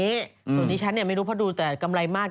ส่วนที่ฉันเนี่ยไม่รู้เพราะดูแต่กำไรมาก